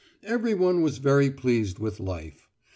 Everyone was very pleased with life.